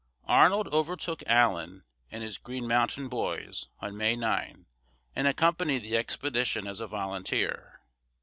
Arnold overtook Allen and his "Green Mountain Boys" on May 9, and accompanied the expedition as a volunteer.